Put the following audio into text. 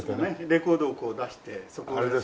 レコードをこう出してそこで。